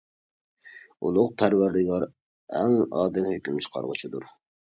ئۇلۇغ پەرۋەردىگار ئەڭ ئادىل ھۆكۈم چىقارغۇچىدۇر!